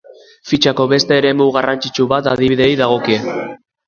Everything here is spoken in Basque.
Fitxako beste eremu garrantzitsu bat adibideei dagokie.